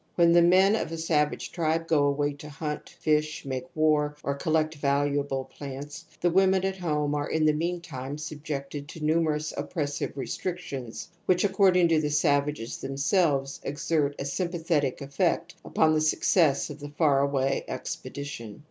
When the men of a savage tribe go away to hunt, fish, make war, or collect valuable plants, the women at home are in the meantime sub jected to numerous oppressive restrictions which, according to the savages themselves, exert g^^^ sympath eti^ Affpi>t. upon the success of the far away expedition.